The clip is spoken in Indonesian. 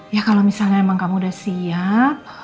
ya kalau misalnya emang kamu udah siap